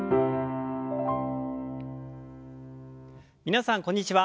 皆さんこんにちは。